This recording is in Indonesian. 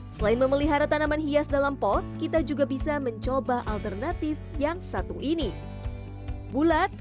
selain memelihara tanaman hias dalam pot kita juga bisa mencoba alternatif yang satu ini bulat